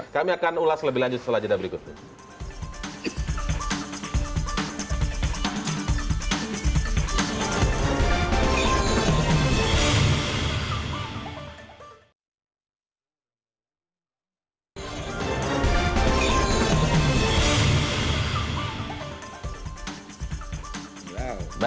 kami akan ulas lebih lanjut setelah jeda berikutnya